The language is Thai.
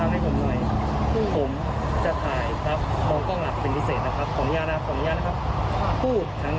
ไม่รู้เหมือนกัน